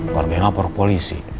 keluarganya laporan polisi